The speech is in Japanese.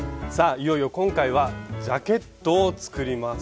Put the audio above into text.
いよいよ今回はジャケットを作ります。